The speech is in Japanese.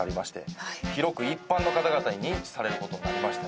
広く一般の方々に認知される事になりました。